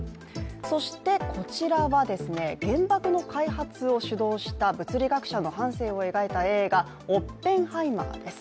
そしてこちらは原爆の開発を主導した物理学者の半生を描いた映画「オッペンハイマー」です。